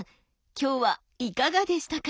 今日はいかがでしたか？